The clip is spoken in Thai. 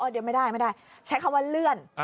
เดี๋ยวไม่ได้ใช้คำว่าเลื่อน